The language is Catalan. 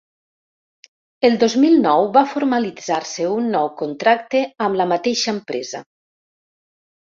El dos mil nou va formalitzar-se un nou contracte amb la mateixa empresa.